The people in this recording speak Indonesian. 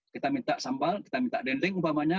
kita minta sambal kita minta denting umpamanya